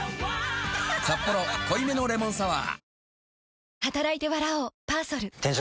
「サッポロ濃いめのレモンサワー」